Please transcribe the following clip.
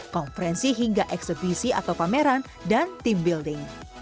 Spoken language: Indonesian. konferensi hingga eksebisi atau pameran dan team building